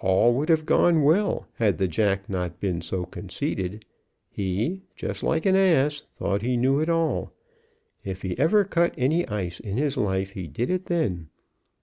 All would have gone well had the jack not been so conceited. He, just like an ass, thought he knew it all. If he ever cut any ice in his life he did it then.